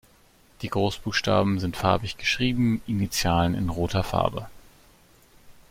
Die Großbuchstaben sind farbig geschrieben, Initialen in roter Farbe.